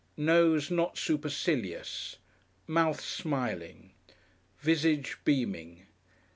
Nose Not supercilious. Mouth Smiling. Visage Beaming.